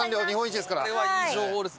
それはいい情報です。